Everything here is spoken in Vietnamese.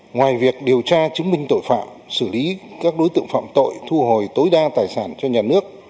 ngoài việc điều tra chứng minh tội phạm xử lý các đối tượng phạm tội thu hồi tối đa tài sản cho nhà nước